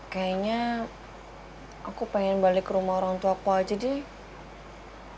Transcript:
kayaknya aku pengen balik ke rumah orangtuaku aja deh